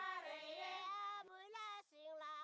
abu'l lasik langhare ye